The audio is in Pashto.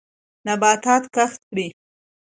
نباتات کښت کړئ.